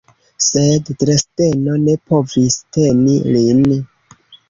Sed Dresdeno ne povis teni lin.